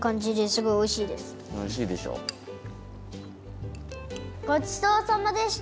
ごちそうさまでした！